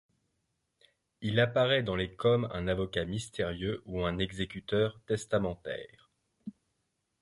Il apparaît dans les comme un avocat mystérieux ou un exécuteur testamentaire.